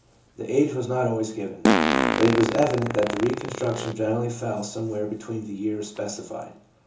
The age was not always given ; but it was evident that the reconstruction gener ally fell somewhere between the years specified.